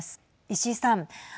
石井さん。